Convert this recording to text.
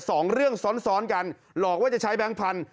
สองเรื่องซ้อนซ้อนกันหลอกว่าจะใช้แบงค์พันธุ